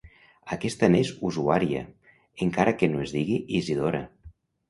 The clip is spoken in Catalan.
Aquesta n'és usuària, encara que no es digui Isidora.